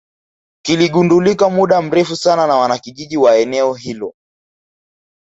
kiligundulika muda mrefu sana na wanakijiji wa eneo hilo